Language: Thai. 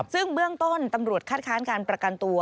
ซึ่งเบื้องต้นตำรวจคัดค้านการประกันตัว